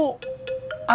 apalagi ke bentuknya